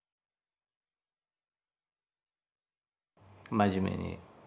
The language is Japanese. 真面目に。